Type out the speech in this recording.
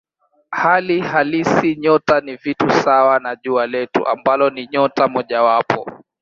Hali halisi nyota ni vitu sawa na Jua letu ambalo ni nyota mojawapo.